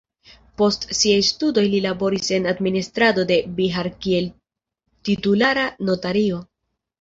Post siaj studoj li laboris en administrado de Bihar kiel titulara notario.